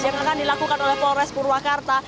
yang akan dilakukan oleh polres purwakarta